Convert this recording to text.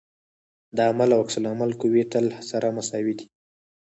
د عمل او عکس العمل قوې تل سره مساوي دي.